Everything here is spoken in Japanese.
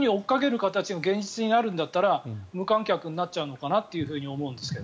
形が現実になるんだったら無観客になっちゃうのかなと思うんですよ。